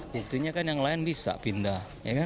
buktinya kan yang lain bisa pindah